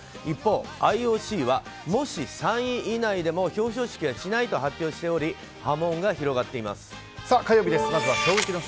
一方、ＩＯＣはもし３位以内でも表彰式はしないと発表しており火曜日です。